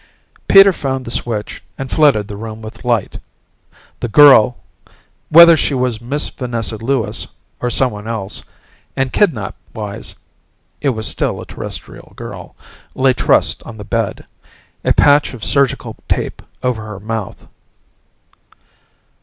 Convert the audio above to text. Peter found the switch and flooded the room with light. The girl whether she was Miss Vanessa Lewis or someone else, and kidnap wise it was still a Terrestrial girl lay trussed on the bed, a patch of surgical tape over her mouth.